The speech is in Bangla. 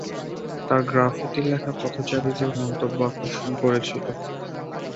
তার গ্রাফিতি লেখা পথচারীদের মন্তব্য আকর্ষণ করেছিল।